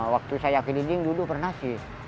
waktu saya ke liding dulu pernah sih